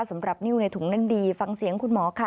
สำหรับนิ้วในถุงนั้นดีฟังเสียงคุณหมอค่ะ